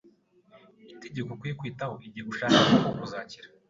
itegeko ukwiye kwitaho igihe ushaka koko kuzakira.